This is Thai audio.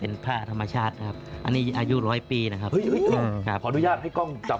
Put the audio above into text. น่าสนใจมากครับ